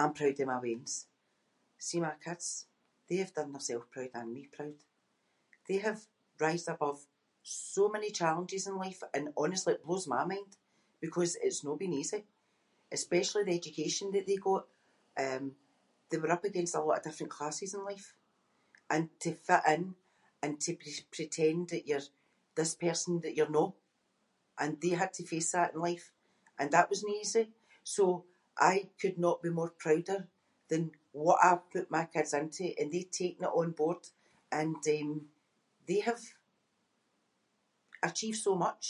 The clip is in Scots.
I’m proud of my weans. See my kids, they have done theirself proud and me proud. They have rised above so many challenges in life and, honestly, it blows my mind because it’s no been easy. Especially the education that they got. Um, they were up against a lot of different classes in life. And to fit in and to pr-pretend that you’re this person that you’re no. And they had to face that in life and that wasnae easy, so I could not be more prouder than what I put my kids into and they taken it on board and, um, they have achieved so much.